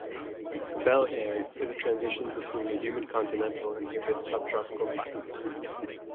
Bel Air is a transition between the humid continental and humid subtropical climates.